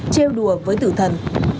chêu đùa với tử thần